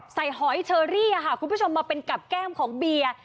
หอยเชอรี่ค่ะคุณผู้ชมมาเป็นกับแก้มของเบียร์